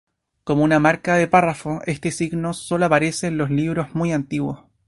Como una marca de párrafo, este signo sólo aparece en los libros muy antiguos.